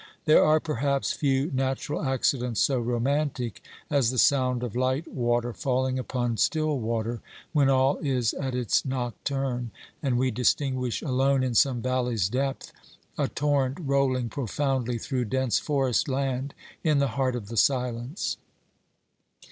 There are perhaps few natural accidents so romantic as the sound of light water falling upon still water, when all is at its nocturn, and we distinguish alone in some valley's depth a torrent rolling profoundly through dense forest land in the heart of the silence.